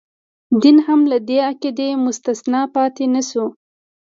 دین هم له دې قاعدې مستثنا پاتې نه شو.